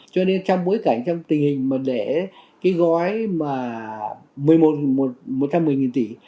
cho nên trong bối cảnh trong tình hình mà để cái gói mà một mươi một một trăm một mươi nghìn tỷ